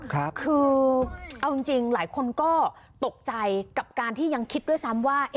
คือเอาจริงหลายคนก็ตกใจกับการที่ยังคิดด้วยซ้ำว่า